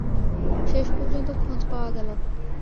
শেষ পর্যন্ত খোঁজ পাওয়া গেল।